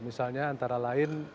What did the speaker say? misalnya antara lain